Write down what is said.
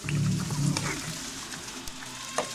Más conocido como Padre Nieto.